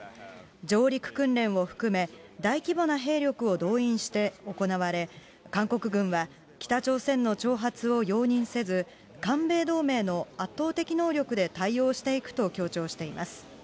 上陸訓練を含め、大規模な兵力を動員して行われ、韓国軍は北朝鮮の挑発を容認せず、韓米同盟の圧倒的能力で対応していくと強調しています。